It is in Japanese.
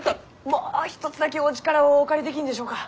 もう一つだけお力をお借りできんでしょうか？